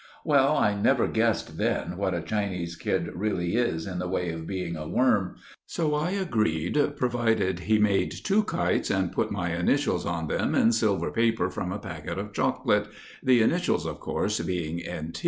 Well, I never guessed then what a Chinese kid really is in the way of being a worm; so I agreed, provided he made two kites and put my initials on them in silver paper from a packet of chocolate—the initials, of course, being N.T.